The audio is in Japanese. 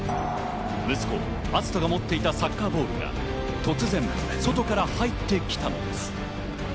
息子・篤斗が持っていたサッカーボールが突然、外から入ってきたんです。